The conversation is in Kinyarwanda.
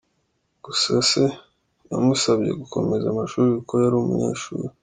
Gusa se yamusabye gukomeza amashuri kuko yari umunyeshuri.